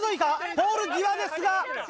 ポール際ですが。